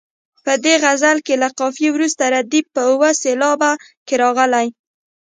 په دې غزل کې له قافیې وروسته ردیف په اوه سېلابه کې راغلی.